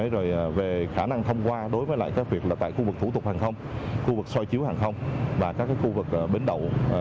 rồi về khả năng thông qua đối với lại các việc là tại khu vực thủ tục hàng không khu vực soi chiếu hàng không và các khu vực bến đậu